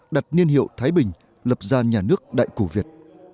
đặt niên hiệu thái bình lập ra nhà nước đại cổ việt